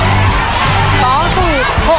เพื่อชิงทุนต่อชีวิตสุด๑ล้านบาท